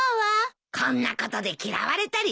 こんなことで嫌われたりしないよ。